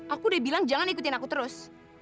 aku udah bilang jangan ikutin aku terus